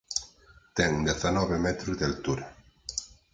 Ten dezanove metros de altura.